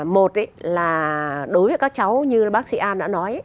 một là đối với các cháu như bác sĩ an đã nói